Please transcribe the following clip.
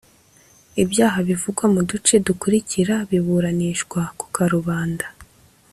Ibyaha bivugwa mu duce dukurikira biburanishwa ku karubanda